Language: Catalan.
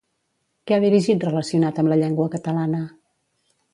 Què ha dirigit relacionat amb la llengua catalana?